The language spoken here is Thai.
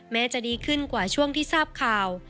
จะดีขึ้นกว่าช่วงที่ทราบข่าว